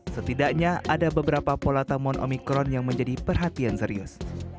setidaknya ada beberapa pola temuan omikron yang menjadi perhatian serius